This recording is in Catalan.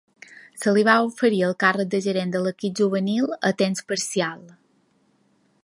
Se li va oferir el càrrec de gerent de l'equip juvenil a temps parcial.